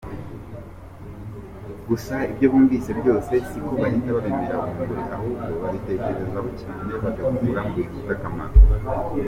Gusa ibyo bumvise byose siko bahita babimira bunguri ahubwo babitekerezaho cyane bagakuramo ibifite akamaro.